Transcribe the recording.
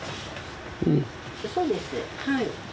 そうですはい。